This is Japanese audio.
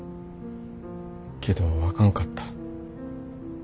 けどあかんかった。